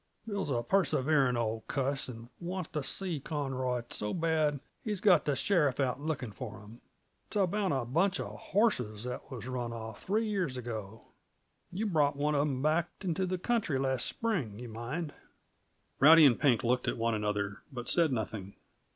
Bill's a perseverin' old cuss, and wants to see Conroy so bad he's got the sheriff out lookin' for him. It's about a bunch uh horses that was run off, three years ago. Yuh brought one of 'em back into the country last spring, yuh mind." Rowdy and Pink looked at one another, but said nothing.